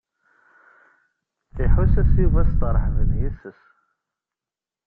Iḥuss-as Yuba setṛeḥben yes-s.